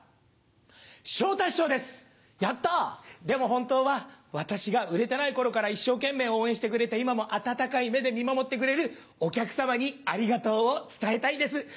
でも本当は私が売れてない頃から一生懸命応援してくれて今も温かい目で見守ってくれるお客様に「ありがとう」を伝えたいです。